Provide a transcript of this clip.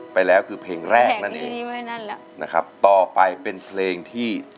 ไปแล้วคือเพลงแรกนั่นเองนะครับต่อไปเป็นเพลงที่